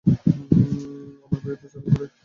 আমার বিরুদ্ধাচরণ করে।